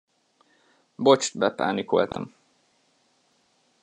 Bocs, bepánikoltam.